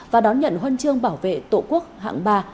và đón nhận huân chương bảo vệ tổ quốc hạng ba